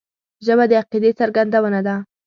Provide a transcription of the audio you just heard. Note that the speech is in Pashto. ژبه د عقیدې څرګندونه ده